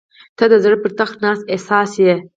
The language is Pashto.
• ته د زړه پر تخت ناست احساس یې.